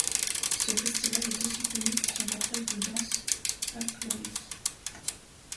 Ce festival est aussi connu pour son cortège de danse folklorique.